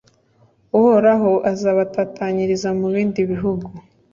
uhoraho azabatatanyiriza mu bindi bihugu